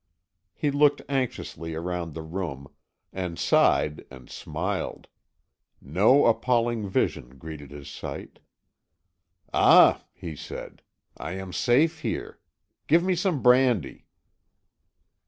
He looked anxiously round the room, and sighed and smiled; no appalling vision greeted his sight. "Ah," he said, "I am safe here. Give me some brandy."